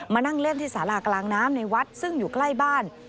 มานั่งเล่นที่สารากลางน้ำในวัดซึ่งอยู่ใกล้บ้าน